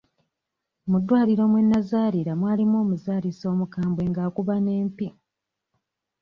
Mu ddwaliro mwe nazaalira mwalimu omuzaalisa omukambwe ng'akuba n'empi.